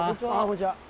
こんにちは。